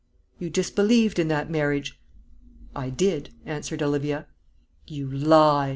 "You disbelieved in that marriage?" "I did," answered Olivia. "You lie!"